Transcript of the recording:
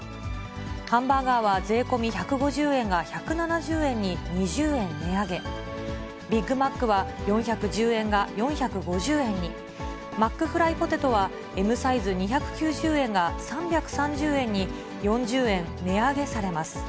ハンバーガーは税込み１５０円が１７０円に２０円値上げ、ビッグマックは４１０円が４５０円に、マックフライポテトはＭサイズ２９０円が、３３０円に、４０円値上げされます。